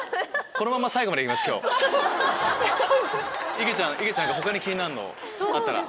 いげちゃんが他に気になるのあったら。